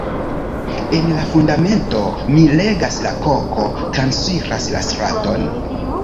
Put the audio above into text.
En la Fundamento mi legas "la koko transiras la straton".